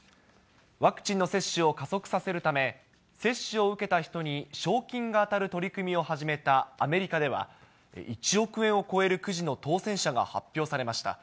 ワクチンの接種を加速させるため、接種を受けた人に賞金が当たる取り組みを始めたアメリカでは、１億円を超えるくじの当選者が発表されました。